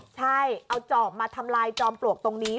ใช่เอาจอบมาทำลายจอมปลวกตรงนี้